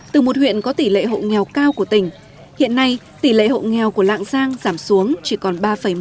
từ một huyện có tỷ lệ hộ nghèo cao của tỉnh hiện nay tỷ lệ hộ nghèo của lạng giang giảm xuống chỉ còn ba một mươi